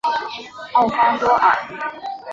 奥方多尔。